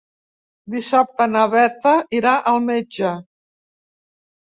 Dissabte na Berta irà al metge.